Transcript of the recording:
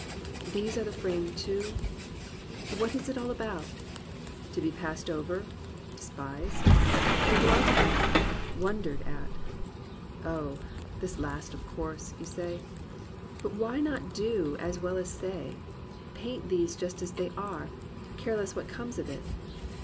These are the frame to ? What's it all about ? To be passed over, despised? Or dwelt upon. Wondered at ? oh, this last of course !— you say. But why not do as well as say, paint these Just as they are, careless what comes of it?